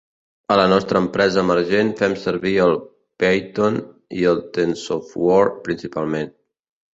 A la nostra empresa emergent fem servir el Python i el Tensorflow principalment.